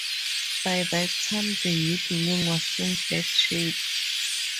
By that time the youth wing was in bad shape.